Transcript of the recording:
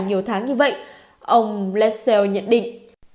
nhiều tháng như vậy ông lessell nhận định